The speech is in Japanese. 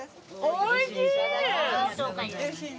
おいしい！